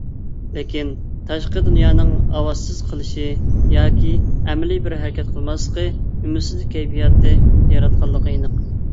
لېكىن تاشقى دۇنيانىڭ ئاۋازسىز قېلىشى، ياكى ئەمەلىي بىر ھەرىكەت قىلماسلىقى ئۈمىدسىزلىك كەيپىياتى ياراتقانلىقى ئېنىق.